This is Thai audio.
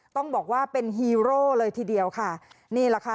ต้องบอกว่าเป็นฮีโร่เลยทีเดียวค่ะนี่แหละค่ะ